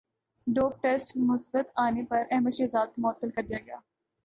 dope test مثبت انے پر احمد شہزاد کومعطل کردیاگیا